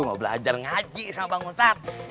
gue mau belajar ngaji sama bang ustadz